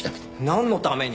なんのために？